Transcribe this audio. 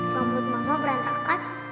rambut mama berantakan